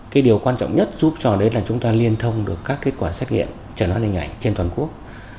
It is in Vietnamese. cái điều quan trọng nhất giúp cho đến là chúng ta liên thông được các kết quả xét nghiệm trần hóa linh ảnh trên toàn quốc